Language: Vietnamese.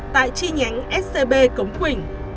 tại chi nhánh scb cống quỳnh